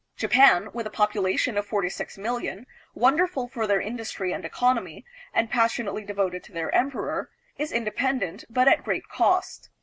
Japan, with a population of forty six million, wonderful for their industry and economy, and passionately devoted to their emperor, is independent, but at great cost.